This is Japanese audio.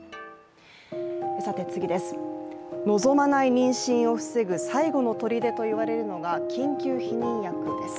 望まない妊娠を防ぐ最後のとりでと言われるのが緊急避妊薬です。